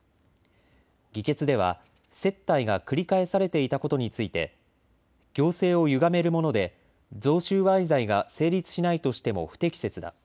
議決では接待が繰り返されていたことについて行政をゆがめるもので贈収賄罪が成立しないとしても不適切だ。